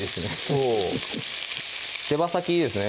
そう手羽先ですね